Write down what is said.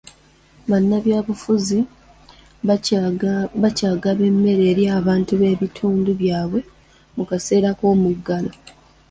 Bannabyabufuzi bakyagaba emmere eri abantu b'ebitundu byabwe mu kaseera ky'omuggalo.